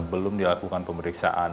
belum dilakukan pemeriksaan